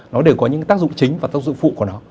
nó đều có những cái tác dụng chính và tác dụng phụ của nó